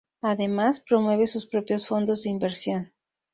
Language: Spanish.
Además, promueve sus propios fondos de inversión.